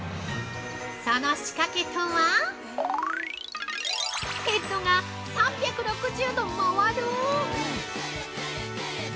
◆その仕掛けとはヘッドが３６０度回る！